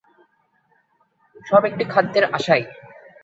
সব একটু খাদ্যের আশায়।